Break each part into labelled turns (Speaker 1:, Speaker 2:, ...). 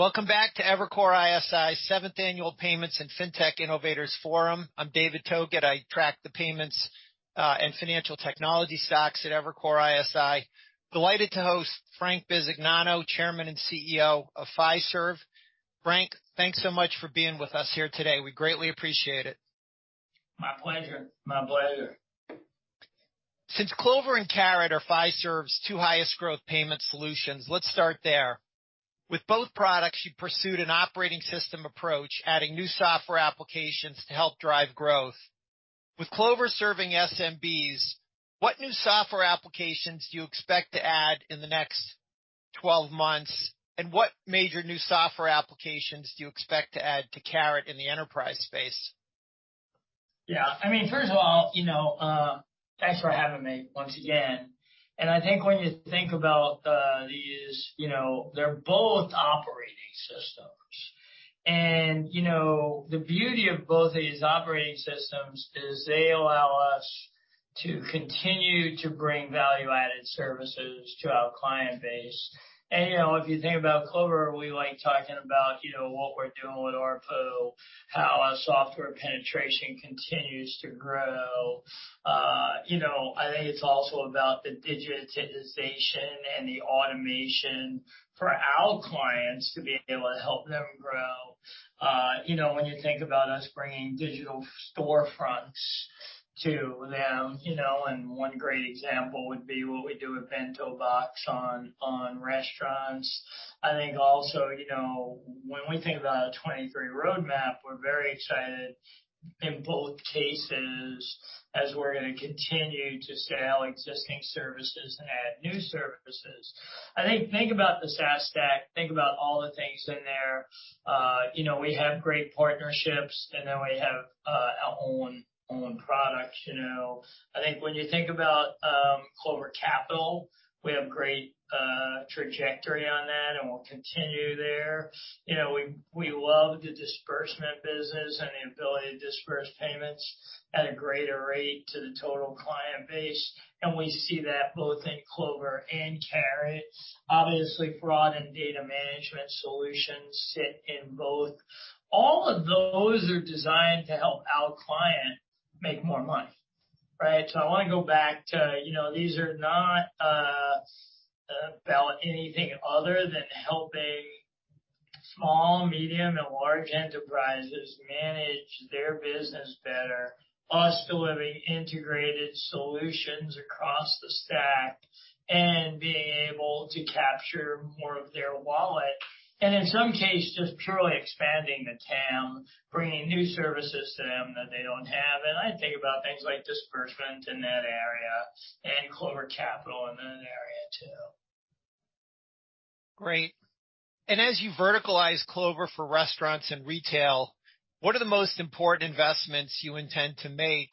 Speaker 1: Welcome back to Evercore ISI 8th Annual Payments and FinTech Innovators Forum. I'm David Togut. I track the payments and financial technology stocks at Evercore ISI. Delighted to host Frank Bisignano, Chairman and CEO of Fiserv. Frank, thanks so much for being with us here today. We greatly appreciate it.
Speaker 2: My pleasure. My pleasure.
Speaker 1: Since Clover and Carat are Fiserv's two highest growth payment solutions, let's start there. With both products, you pursued an operating system approach, adding new software applications to help drive growth. With Clover serving SMBs, what new software applications do you expect to add in the next 12 months? What major new software applications do you expect to add to Carat in the enterprise space?
Speaker 2: Yeah, first of all, want to thanks for having me once again. I think when you think about these, want to they're both operating systems. The beauty of both of these operating systems is they allow us to continue to bring value-added services to our client base. If you think about Clover, we like talking about, want to what we're doing with ARPU, how our software penetration continues to grow. want to I think it's also about the digitization and the automation for our clients to be able to help them grow. want to when you think about us bringing digital storefronts to them, want to. One great example would be what we do with BentoBox on restaurants. I think also, want to when we think about a 23 roadmap, we're very excited in both cases as we're going to continue to scale existing services and add new services. I think about the SaaS stack, think about all the things in there. want to we have great partnerships, and then we have our own products, want to. I think when you think about Clover Capital, we have great trajectory on that, and we'll continue there. Want to we love the disbursement business and the ability to disburse payments at a greater rate to the total client base, and we see that both in Clover and Carat. Obviously, fraud and data management solutions sit in both. All of those are designed to help our client make more money, right? I want to go back to, want to these are not about anything other than helping small, medium, and large enterprises manage their business better, us delivering integrated solutions across the stack and being able to capture more of their wallet, and in some cases, just purely expanding the TAM, bringing new services to them that they don't have. About things like disbursement in that area and Clover Capital in that area too.
Speaker 1: Great. As you verticalize Clover for restaurants and retail, what are the most important investments you intend to make?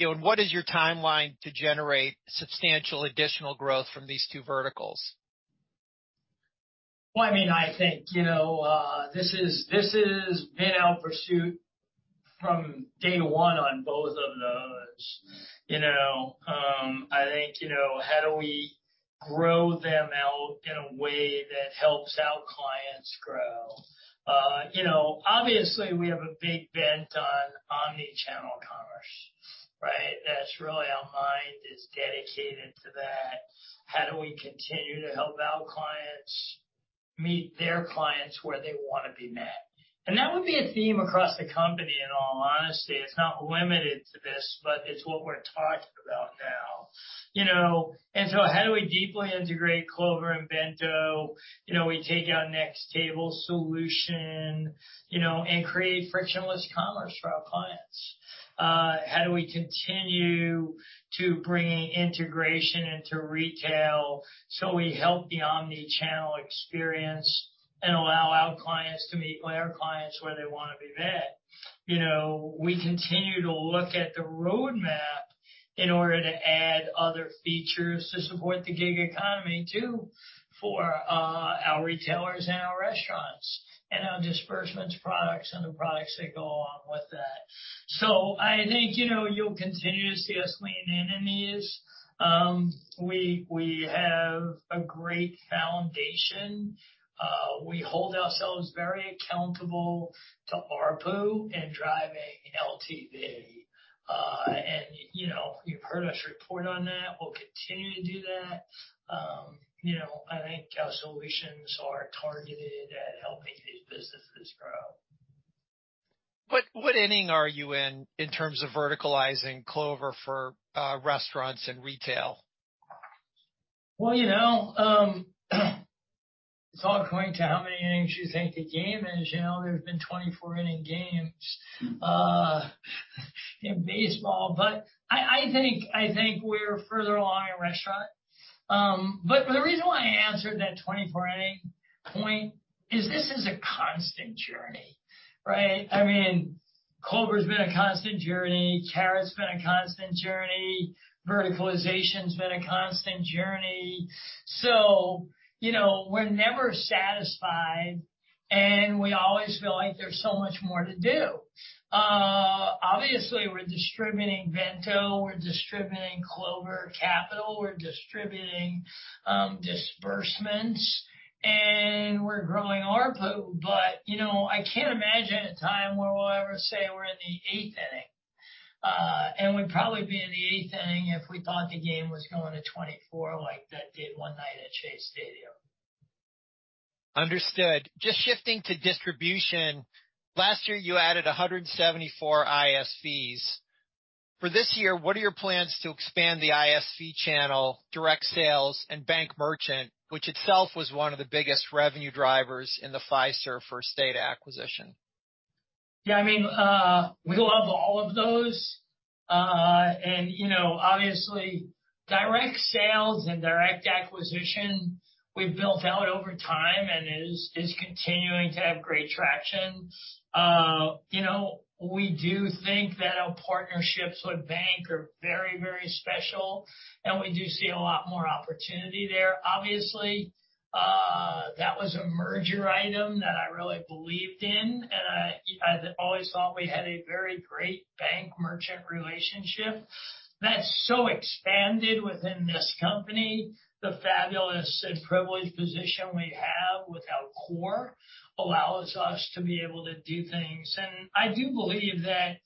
Speaker 1: want to what is your timeline to generate substantial additional growth from these two verticals?
Speaker 2: Well, I mean, I think, want to this is, this is been our pursuit from day one on both of those. want to I think, want to how do we grow them out in a way that helps our clients grow? want to obviously, we have a big bent on omnichannel commerce, right? That's really our mind is dedicated to that. How do we continue to help our clients meet their clients where they want to be met? That would be a theme across the company, in all honesty. It's not limited to this, but it's what we're talking about now. want to how do we deeply integrate Clover and Bento? want to we take our Nextable solution, want to and create frictionless commerce for our clients. How do we continue to bring integration into retail so we help the omnichannel experience and allow our clients to meet their clients where they want to be met? Want to we continue to look at the roadmap in order to add other features to support the gig economy too, for our retailers and our restaurants and our disbursements products and the products that go along with that. I think, want to you'll continue to see us lean in in these. We have a great foundation. We hold ourselves very accountable to ARPU and driving LTV. want to you've heard us report on that. We'll continue to do that. want to I think our solutions are targeted at helping these businesses grow.
Speaker 1: What inning are you in terms of verticalizing Clover for restaurants and retail?
Speaker 2: Well, want to it's all according to how many innings you think the game is. want to there's been 24 inning games in baseball. I think we're further along in restaurant. The reason why I answered that 24 inning point is this is a constant journey, right? I mean Clover's been a constant journey. Carat's been a constant journey. Verticalization's been a constant journey. want to we're never satisfied. We always feel like there's so much more to do. Obviously we're distributing BentoBox, we're distributing Clover Capital, we're distributing disbursements, and we're growing ARPU. want to I can't imagine a time where we'll ever say we're in the 8th inning. We'd probably be in the 8th inning if we thought the game was going to 24 like that did one night at Chase Field.
Speaker 1: Understood. Just shifting to distribution. Last year, you added 174 ISVs. For this year, what are your plans to expand the ISV channel, direct sales and bank merchant, which itself was one of the biggest revenue drivers in the Fiserv First Data acquisition?
Speaker 2: Yeah, I mean, we love all of those. want to obviously direct sales and direct acquisition we've built out over time and is continuing to have great traction. want to we do think that our partnerships with bank are very special, and we do see a lot more opportunity there. Obviously, that was a merger item that I really believed in, and I always thought we had a very great bank merchant relationship. That's so expanded within this company. The fabulous and privileged position we have with our core allows us to be able to do things. I do believe that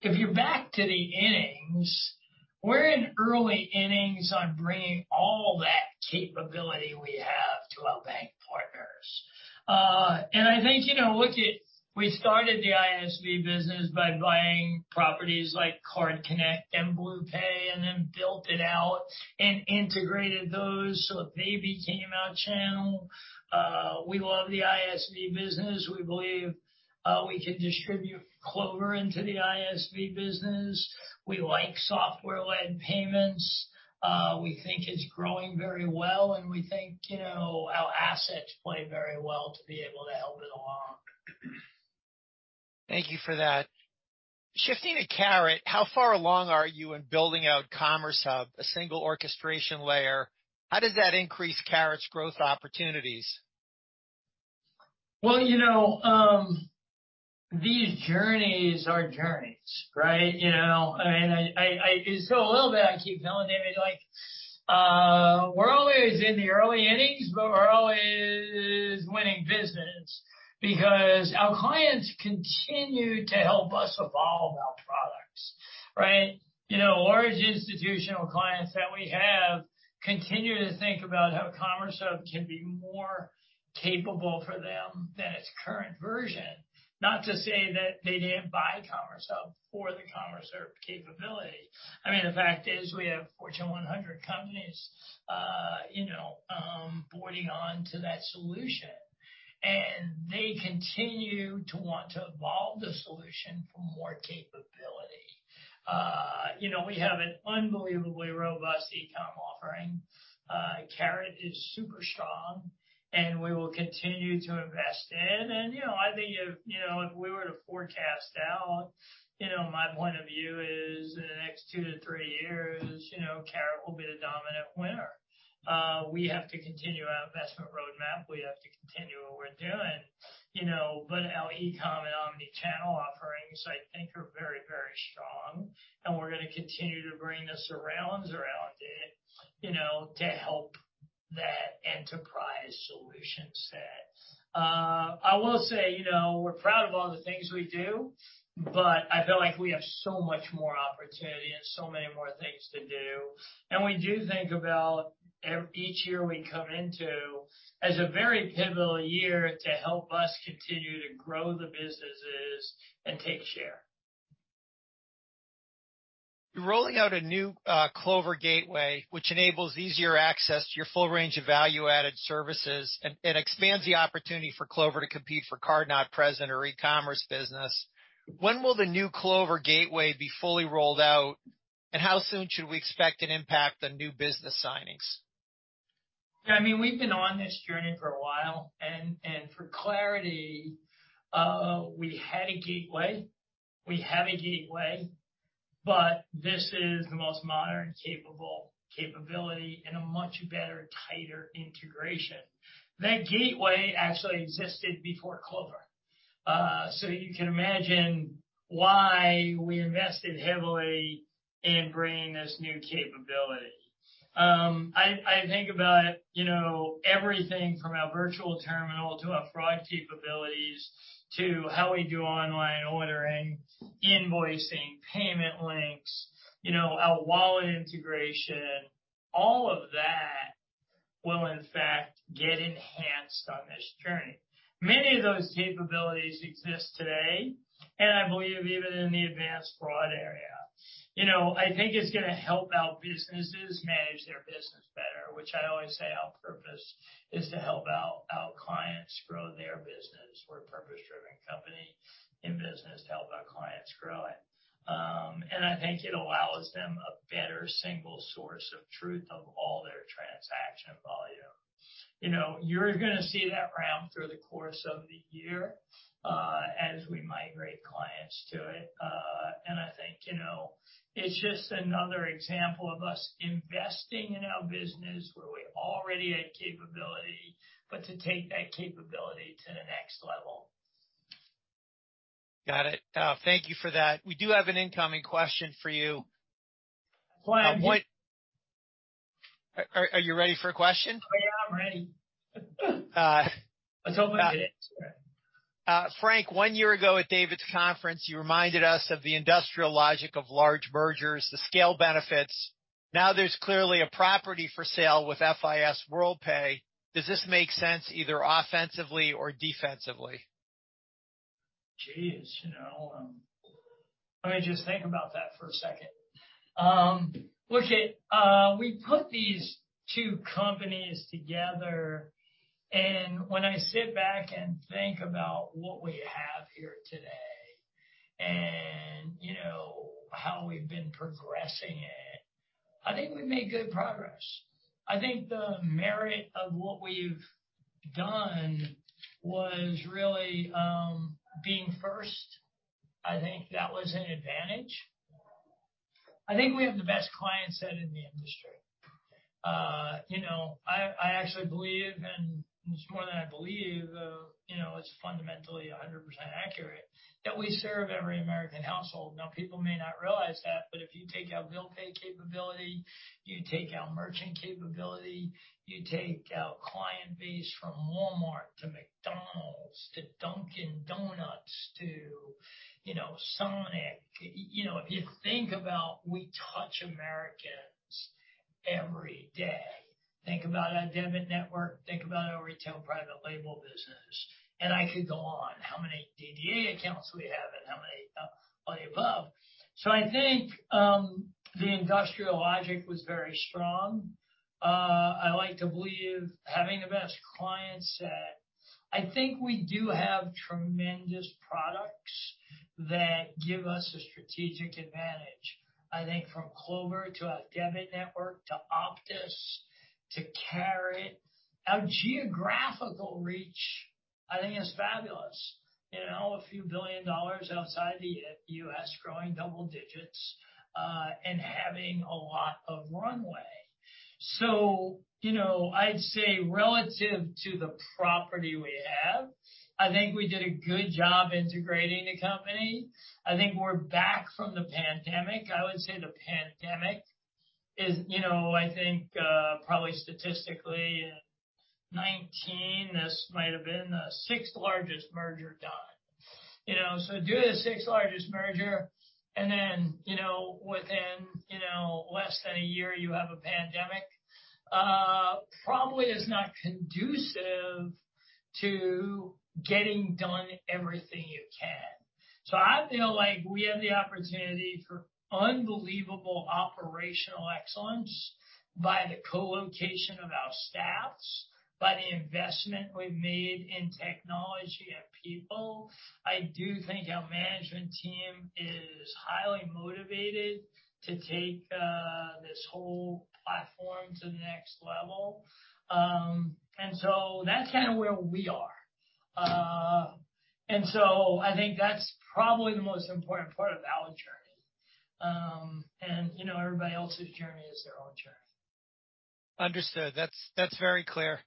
Speaker 2: if you're back to the innings, we're in early innings on bringing all that capability we have to our bank partners. I think, want to we started the ISV business by buying properties like CardConnect and BluePay, and then built it out and integrated those, so they became our channel. We love the ISV business. We believe we can distribute Clover into the ISV business. We like software-led payments. We think it's growing very well, and we think, want to our assets play very well to be able to help it along.
Speaker 1: Thank you for that. Shifting to Carat, how far along are you in building out Commerce Hub, a single orchestration layer? How does that increase Carat's growth opportunities?
Speaker 2: Well, want to these journeys are journeys, right? want to I keep telling David, like, we're always in the early innings, but we're always winning business because our clients continue to help us evolve our products, right? want to large institutional clients that we have continue to think about how Commerce Hub can be more capable for them than its current version. Not to say that they didn't buy Commerce Hub for the Commerce Hub capability. The fact is we have Fortune 100 companies, want to boarding on to that solution, and they continue to want to evolve the solution for more capability. want to we have an unbelievably robust e-com offering. Carat is super strong, and we will continue to invest in. Want to I think if, want to if we were to forecast out, want to my point of view is in the next 2-3 years, want to Carat will be the dominant winner. We have to continue our investment roadmap. We have to continue what we're doing. want to but our e-com and omnichannel offerings, I think, are very, very strong, and we're going to continue to bring the surrounds around it, want to to help that enterprise solution set. I will say, want to we're proud of all the things we do, but I feel like we have so much more opportunity and so many more things to do. We do think about each year we come into as a very pivotal year to help us continue to grow the businesses and take share.
Speaker 1: You're rolling out a new Clover gateway, which enables easier access to your full range of value-added services and expands the opportunity for Clover to compete for card-not-present or e-commerce business. When will the new Clover gateway be fully rolled out, and how soon should we expect an impact on new business signings?
Speaker 2: We've been on this journey for a while. For clarity, we had a gateway. We have a gateway, but this is the most modern, capable capability and a much better, tighter integration. That gateway actually existed before Clover. You can imagine why we invested heavily in bringing this new capability. I think about, want to everything from our virtual terminal to our fraud capabilities to how we do online ordering, invoicing, payment links, want to our wallet integration, all of that will in fact get enhanced on this journey. Many of those capabilities exist today, and I believe even in the advanced fraud area. want to I think it's going to help our businesses manage their business better, which I always say our purpose is to help our clients grow their business. We're a purpose-driven company in business to help our clients grow it. It allows them a better single source of truth of all their transaction volume. want to you're going to see that ramp through the course of the year. As we migrate clients to it. Want to it's just another example of us investing in our business where we already had capability, but to take that capability to the next level.
Speaker 1: Got it. Thank you for that. We do have an incoming question for you.
Speaker 2: That's why I'm-.
Speaker 1: Are you ready for a question?
Speaker 2: I'm ready.
Speaker 1: Uh.
Speaker 2: Let's hope I get it.
Speaker 1: Frank, one year ago at David's conference, you reminded us of the industrial logic of large mergers, the scale benefits. There's clearly a property for sale with FIS Worldpay. Does this make sense either offensively or defensively?
Speaker 2: Geez, want to let me just think about that for a second. Look it, we put these two companies together. When I sit back and think about what we have here today and want to how we've been progressing it, I think we've made good progress. I think the merit of what we've done was really, being first. I think that was an advantage. I think we have the best client set in the industry. want to I actually believe, and it's more than I believe, want to it's fundamentally 100% accurate, that we serve every American household. Now, people may not realize that, but if you take out bill pay capability, you take out merchant capability, you take out client base from Walmart to McDonald's to Dunkin' Donuts to, want to Sonic. Want to if you think about we touch Americans every day. Think about our debit network. Think about our retail private label business. I could go on. How many DDA accounts we have and how many, on the above. I think, the industrial logic was very strong. I like to believe having the best client set. I think we do have tremendous products that give us a strategic advantage. I think from Clover to our debit network to Optis to Carat. Our geographical reach, I think, is fabulous. want to a few billion dollars outside the U.S. growing double digits, and having a lot of runway. want to I'd say relative to the property we have, I think we did a good job integrating the company. I think we're back from the pandemic. I would say the pandemic is, want to I think, probably statistically in 2019, this might have been the sixth largest merger done. want to do the sixth largest merger and then, want to within, want to less than a year you have a pandemic, probably is not conducive to getting done everything you can. I feel like we have the opportunity for unbelievable operational excellence by the co-location of our staffs, by the investment we've made in technology and people. I do think our management team is highly motivated to take this whole platform to the next level. That's kinda where we are. I think that's probably the most important part of our journey. want to everybody else's journey is their own journey.
Speaker 1: Understood. That's very clear.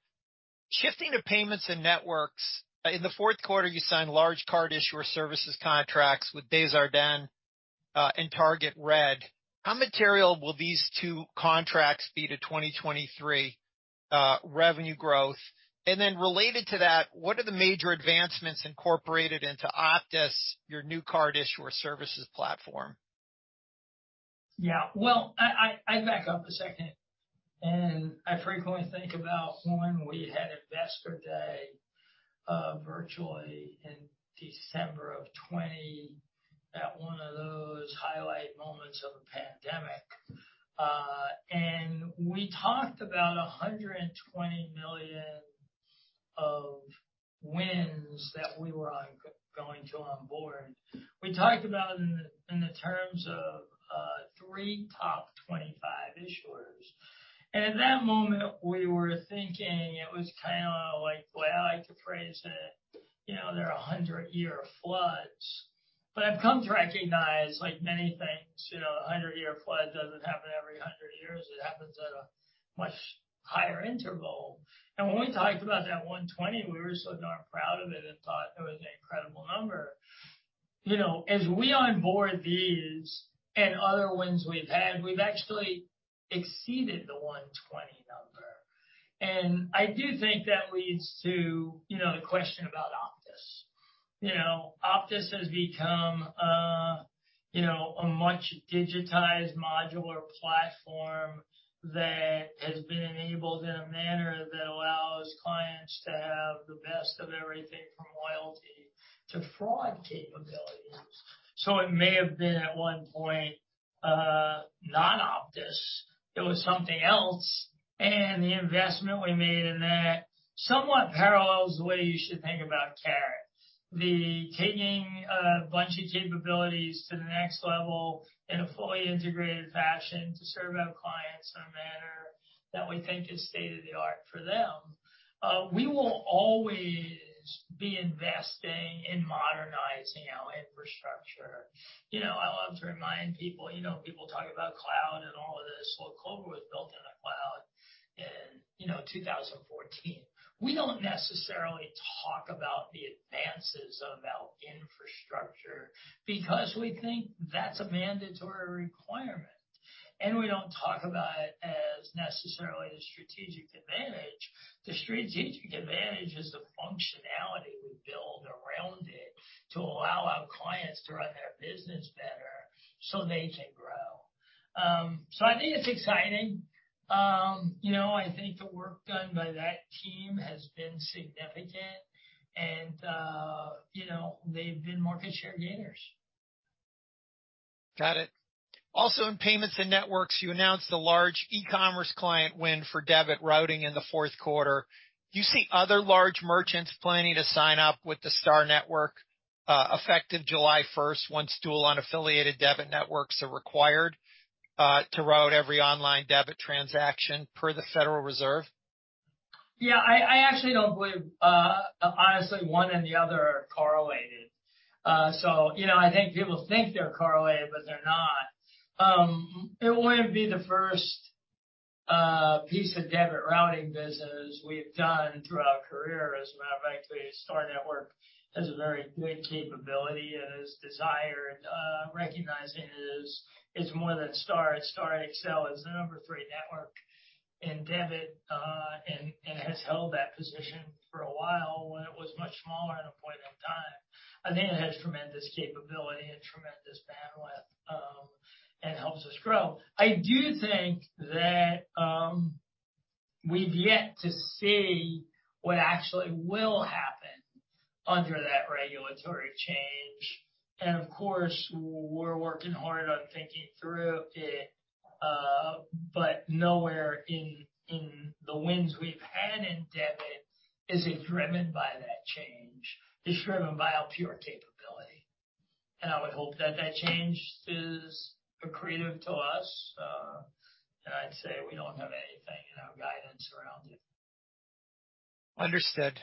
Speaker 1: Shifting to payments and networks. In the Q4, you signed large card issuer services contracts with Desjardins and Target RedCard. How material will these two contracts be to 2023 revenue growth? Related to that, what are the major advancements incorporated into Optis, your new card issuer services platform?
Speaker 2: I back up a second, and I frequently think about when we had Investor Day virtually in December of 2020, at one of those highlight moments of the pandemic. We talked about $120 million of wins that we were going to onboard. We talked about in the terms of 3 top 25 issuers. At that moment, we were thinking it was kind of like, the way I like to phrase it, want to they're 100-year floods. I've come to recognize, like many things, want to a 100-year flood doesn't happen every 100 years. It happens at a much higher interval. When we talked about that $120, we were so darn proud of it and thought it was an incredible number. want to as we onboard these and other wins we've had, we've actually exceeded the 120 number. I do think that leads to, want to the question about Optis. want to Optis has become a, want to a much digitized modular platform that has been enabled in a manner that allows clients to have the best of everything from loyalty to fraud capabilities. It may have been at one point, non-Optis. It was something else, and the investment we made in that somewhat parallels the way you should think about Carat. The taking a bunch of capabilities to the next level in a fully integrated fashion to serve our clients in a manner that we think is state-of-the-art for them. We will always be investing in modernizing our infrastructure. want to I love to remind people, want to people talk about cloud and all of this. Carat was built in a cloud in, want to 2014. We don't necessarily talk about the advances of our infrastructure because we think that's a mandatory requirement, and we don't talk about it as necessarily the strategic advantage. The strategic advantage is the functionality we build around it to allow our clients to run their business better so they can grow. I think it's exciting. want to I think the work done by that team has been significant and, want to they've been market share gainers.
Speaker 1: Got it. Also, in payments and networks, you announced a large e-commerce client win for debit routing in the Q4. Do you see other large merchants planning to sign up with the STAR Network, effective July 1st, once dual unaffiliated debit networks are required to route every online debit transaction per the Federal Reserve?
Speaker 2: Yeah, I actually don't believe, honestly, 1 and the other are correlated. want to I think people think they're correlated, but they're not. It wouldn't be the first piece of debit routing business we've done through our career as a matter of fact, STAR Network has a very good capability and is desired, recognizing it is more than STAR. STAR Xcel is the number three network in debit and has held that position for a while when it was much smaller at a point in time. I think it has tremendous capability and tremendous bandwidth and helps us grow. I do think that we've yet to see what actually will happen under that regulatory change. Of course, we're working hard on thinking through it. Nowhere in the wins we've had in debit is it driven by that change. It's driven by our pure capability. I would hope that that change is accretive to us. I'd say we don't have anything in our guidance around it.
Speaker 1: Understood.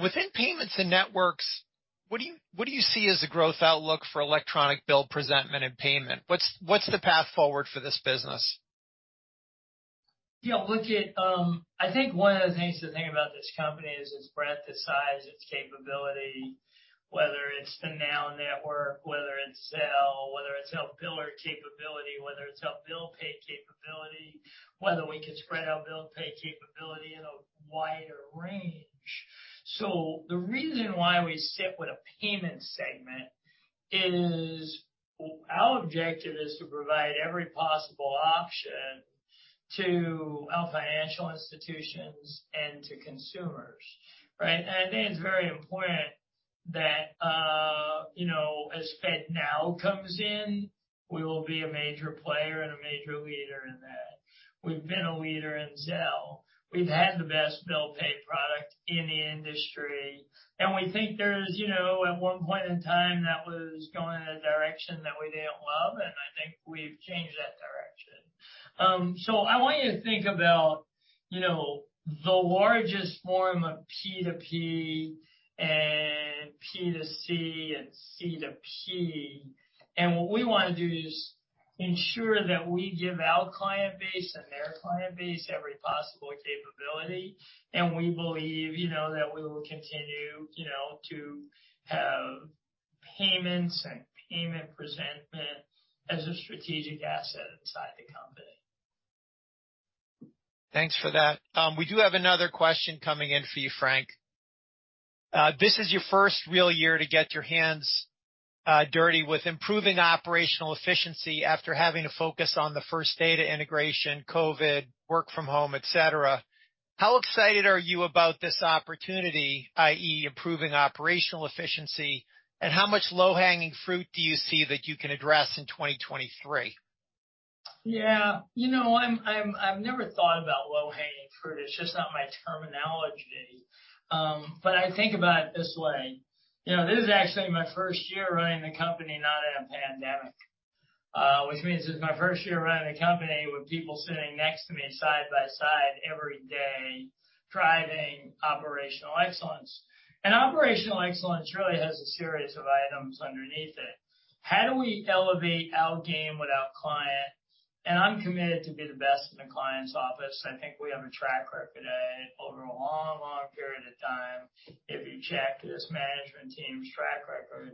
Speaker 1: Within payments and networks, what do you see as the growth outlook for electronic bill presentment and payment? What's the path forward for this business?
Speaker 2: Yeah, look at, I think one of the things to think about this company is its breadth to size, its capability, whether it's the NOW Network, whether it's Zelle, whether it's our biller capability, whether it's our bill pay capability, whether we can spread our bill pay capability in a wider range. The reason why we sit with a payment segment is our objective is to provide every possible option to our financial institutions and to consumers, right? I think it's very important that, want to as FedNow comes in, we will be a major player and a major leader in that. We've been a leader in Zelle. We've had the best bill pay product in the industry, and we think there's, want to at one point in time, that was going in a direction that we didn't love, and I think we've changed that direction. I want you to think about, want to the largest form of P2P and P2C and C2P. What we want to do is ensure that we give our client base and their client base every possible capability. We believe, want to that we will continue, want to to have payments and payment presentment as a strategic asset inside the company.
Speaker 1: Thanks for that. We do have another question coming in for you, Frank. This is your first real year to get your hands dirty with improving operational efficiency after having to focus on the First Data integration, COVID, work from home, etc. How excited are you about this opportunity, i.e., improving operational efficiency, and how much low-hanging fruit do you see that you can address in 2023?
Speaker 2: Yeah. want to I've never thought about low-hanging fruit. It's just not my terminology. I think about it this way. want to this is actually my first year running the company, not in a pandemic. Which means this is my first year running a company with people sitting next to me side by side every day, driving operational excellence. Operational excellence really has a series of items underneath it. How do we elevate our game with our client? I'm committed to be the best in the client's office. I think we have a track record over a long period of time if you check this management team's track record.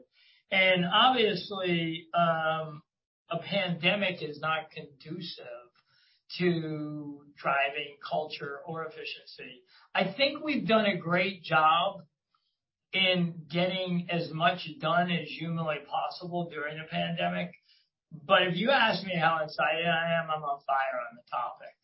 Speaker 2: Obviously, a pandemic is not conducive to driving culture or efficiency. I think we've done a great job in getting as much done as humanly possible during a pandemic. If you ask me how excited I am, I'm on fire on the topic.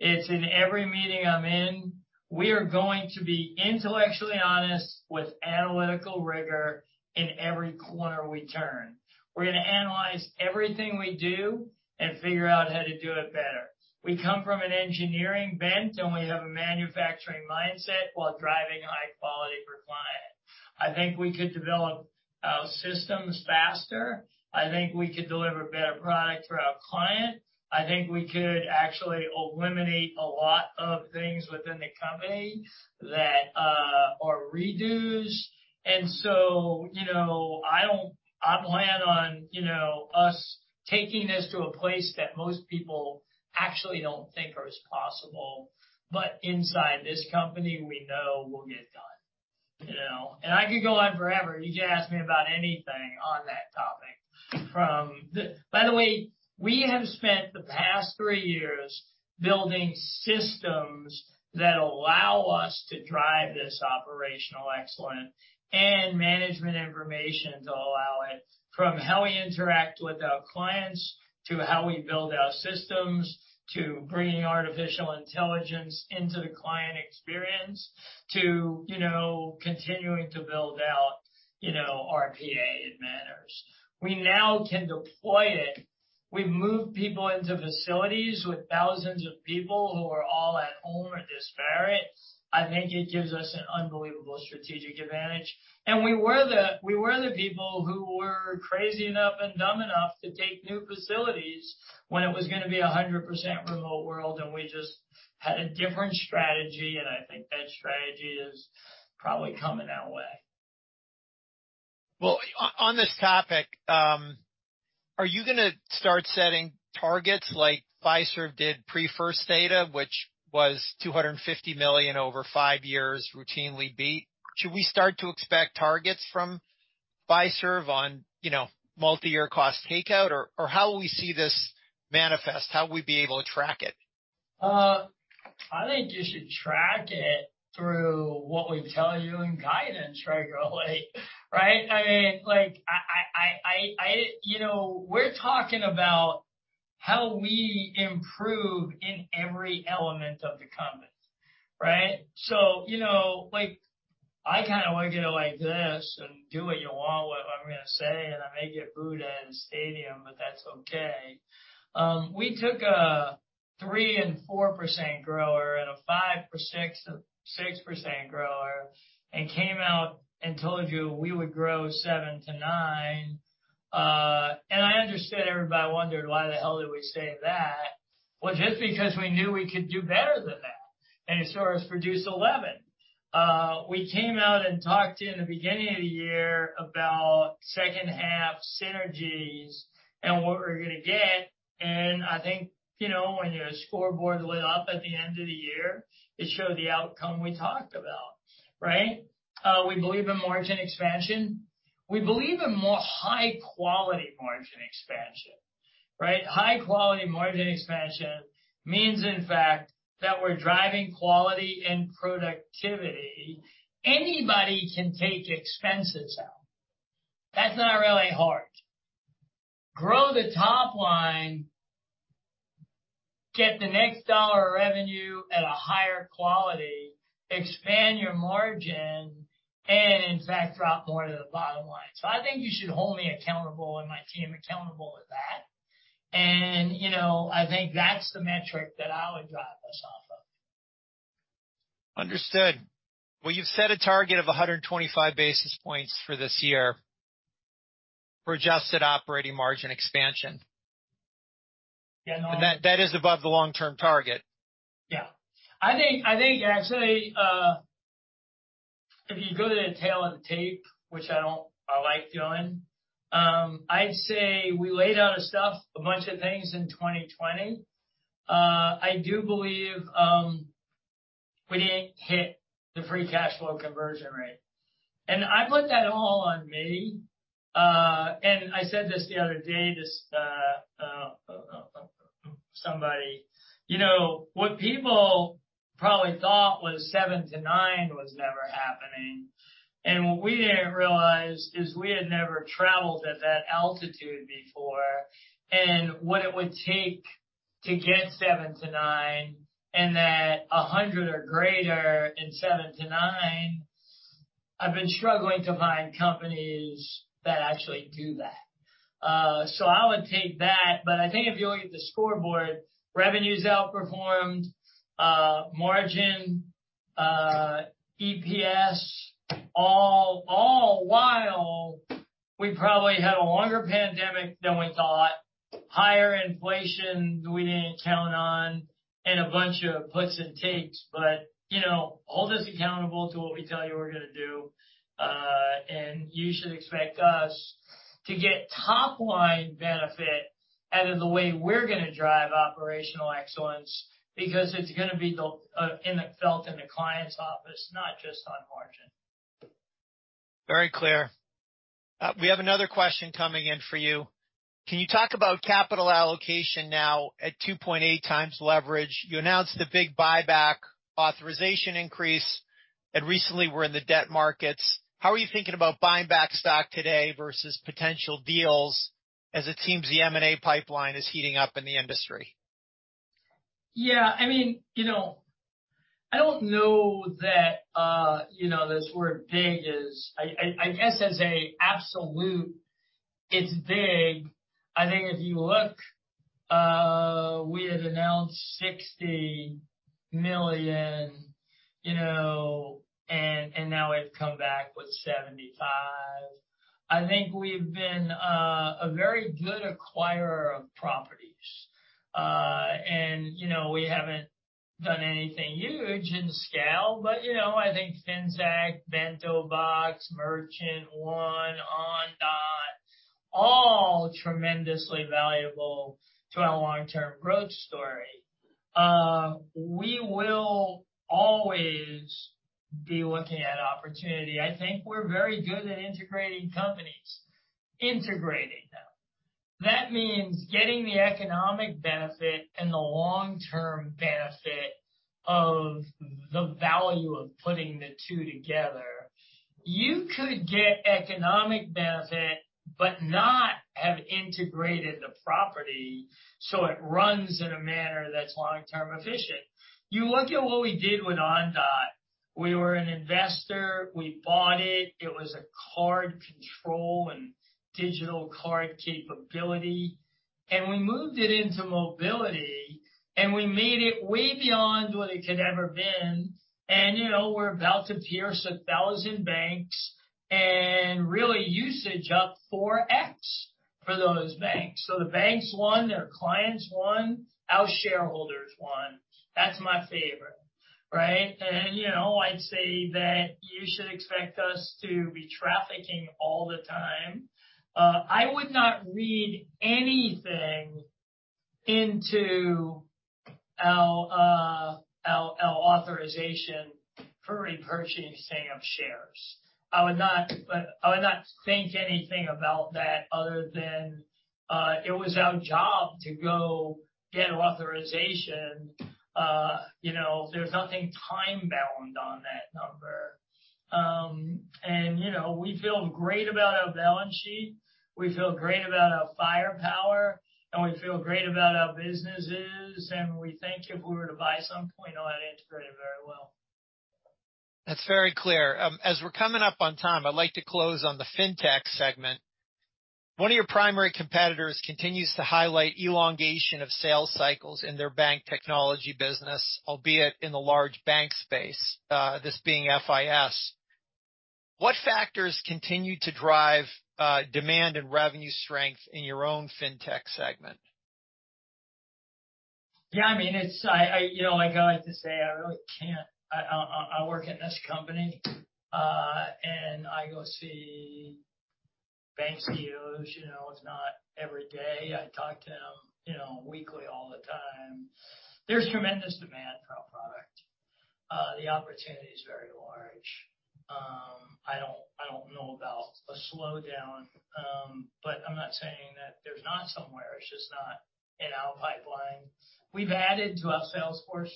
Speaker 2: It's in every meeting I'm in. We are going to be intellectually honest with analytical rigor in every corner we turn. We're going to analyze everything we do and figure out how to do it better. We come from an engineering bent, and we have a manufacturing mindset while driving high performance. I think we could develop our systems faster. I think we could deliver better product for our client. I think we could actually eliminate a lot of things within the company that are redos. want to I plan on, want to us taking this to a place that most people actually don't think are as possible, but inside this company, we know will get done. want to? I could go on forever. You can ask me about anything on that topic. By the way, we have spent the past three years building systems that allow us to drive this operational excellence and management information to allow it, from how we interact with our clients, to how we build our systems, to bringing artificial intelligence into the client experience, to, want to continuing to build out, want to RPA in manners. We now can deploy it. We've moved people into facilities with thousands of people who are all at home or disparate. I think it gives us an unbelievable strategic advantage. We were the people who were crazy enough and dumb enough to take new facilities when it was going to be a 100% remote world. We just had a different strategy. I think that strategy is probably coming our way.
Speaker 1: Well, on this topic, are you going to start setting targets like Fiserv did pre-First Data, which was $250 million over five years routinely beat? Should we start to expect targets from Fiserv on, want to multi-year cost takeout? How will we see this manifest? How will we be able to track it?
Speaker 2: I think you should track it through what we tell you in guidance, right, Rowley? Right? I mean, like, I didn't want to we're talking about how we improve in every element of the company, right? want to like, I kinda want to go like this and do what you want with what I'm going to say, and I may get booed at in stadium, but that's okay. We took a 3% and 4% grower and a 5% or 6% grower and came out and told you we would grow 7%-9%. I understand everybody wondered why the hell did we say that. Just because we knew we could do better than that, and it saw us produce 11%. We came out and talked to you in the beginning of the year about second half synergies and what we're going to get, want to when your scoreboard lit up at the end of the year, it showed the outcome we talked about, right? We believe in margin expansion. We believe in more high quality margin expansion, right? High quality margin expansion means, in fact, that we're driving quality and productivity. Anybody can take expenses out. That's not really hard. Grow the top line, get the next dollar of revenue at a higher quality, expand your margin and in fact, drop more to the bottom line. I think you should hold me accountable and my team accountable with that. want to I think that's the metric that I would drive us off of.
Speaker 1: Understood. Well, you've set a target of 125 basis points for this year for adjusted operating margin expansion.
Speaker 2: Yeah.
Speaker 1: That is above the long-term target.
Speaker 2: Yeah. I think actually, if you go to the tail of the tape, which I like doing, I'd say we laid out a stuff, a bunch of things in 2020. I do believe, we didn't hit the free cash flow conversion rate. I put that all on me, and I said this the other day, this, somebody... want to what people probably thought was 7 to 9 was never happening. What we didn't realize is we had never traveled at that altitude before and what it would take to get 7 to 9 and that 100 or greater in 7 to 9, I've been struggling to find companies that actually do that. I would take that, but I think if you look at the scoreboard, revenues outperformed, margin, EPS, all while we probably had a longer pandemic than we thought, higher inflation we didn't count on, and a bunch of puts and takes. want to hold us accountable to what we tell you we're going to do. You should expect us to get top line benefit out of the way we're going to drive operational excellence because it's going to be the, felt in the client's office, not just on margin.
Speaker 1: Very clear. We have another question coming in for you. Can you talk about capital allocation now at 2.8 times leverage? You announced the big buyback authorization increase. Recently we're in the debt markets. How are you thinking about buying back stock today versus potential deals as it seems the M&A pipeline is heating up in the industry?
Speaker 2: Yeah, I mean, want to I don't know that, want to this word big is, I guess as a absolute, it's big. I think if you look, we had announced $60 million, want to and now we've come back with $75 million. I think we've been a very good acquirer of properties. want to we haven't done anything huge in scale, but, want to I think Finxact, BentoBox, Merchant One, Ondot, all tremendously valuable to our long-term growth story. We will always be looking at opportunity. I think we're very good at integrating companies, integrating them. That means getting the economic benefit and the long-term benefit of the value of putting the two together. You could get economic benefit but not have integrated the property, so it runs in a manner that's long-term efficient. You look at what we did with Ondot. We were an investor. We bought it. It was a card control and digital card capability, and we moved it into mobility, and we made it way beyond what it could ever been. want to we're about to pierce 1,000 banks and really usage up 4x for those banks. The banks won, their clients won, our shareholders won. That's my favorite, right? want to I'd say that you should expect us to be trafficking all the time. I would not read anything into our authorization for repurchasing of shares. I would not think anything about that other than it was our job to go get authorization. want to there's nothing time-bound on that number. want to we feel great about our balance sheet, we feel great about our firepower, and we feel great about our businesses, and we think if we were to buy something, we know how to integrate it very well.
Speaker 1: That's very clear. As we're coming up on time, I'd like to close on the Fintech segment. One of your primary competitors continues to highlight elongation of sales cycles in their bank technology business, albeit in the large bank space, this being FIS. What factors continue to drive demand and revenue strength in your own Fintech segment?
Speaker 2: Yeah, I mean, want to like I like to say, I really can't. I work at this company. I go see bank CEOs. want to it's not every day I talk to them, want to weekly all the time. There's tremendous demand for our product. The opportunity is very large. I don't know about a slowdown. I'm not saying that there's not somewhere, it's just not in our pipeline. We've added to our sales force.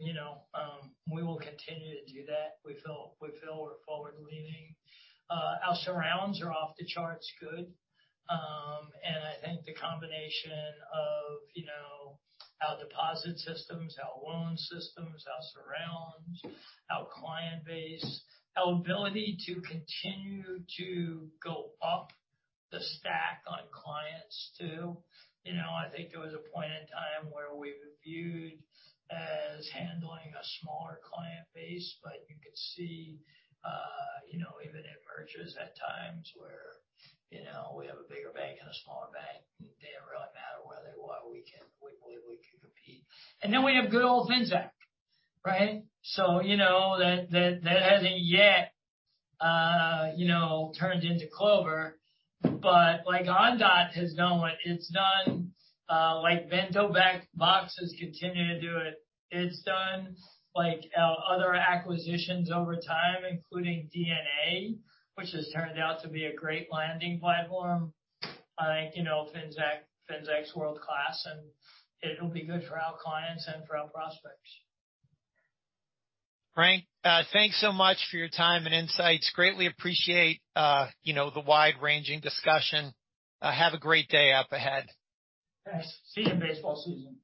Speaker 2: want to we will continue to do that. We feel we're forward-leaning. Our surrounds are off the charts good. I think the combination of, want to our deposit systems, our loan systems, our surrounds, our client base, our ability to continue to go up the stack on clients too. Want to I think there was a point in time where we were viewed as handling a smaller client base, but you could see, want to even in mergers at times where, we have a bigger bank and a smaller bank, it didn't really matter where they were. We believe we can compete. We have good old Finxact, right? want to that hasn't yet, want to turned into Clover. Like Ondot has done what it's done, like BentoBox continues to do it. It's done like our other acquisitions over time, including DNA, which has turned out to be a great landing platform. I think, want to Finxact's world-class, and it'll be good for our clients and for our prospects.
Speaker 1: Frank, thanks so much for your time and insights. Greatly appreciate, want to the wide-ranging discussion. Have a great day up ahead.
Speaker 2: Thanks. See you baseball season. Bye.